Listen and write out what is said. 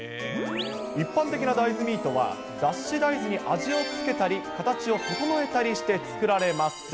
一般的な大豆ミートは、脱脂大豆に味をつけたり、形を整えたりして作られます。